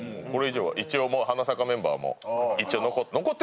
一応、「花咲か」メンバーも残って。